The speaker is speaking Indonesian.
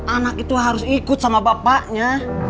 anak itu harus ikut sama bapaknya